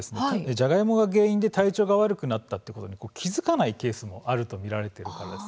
ジャガイモが原因で体調が悪くなっていることに気付かないケースもあると見られています。